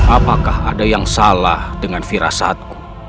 apakah ada yang salah dengan firasatku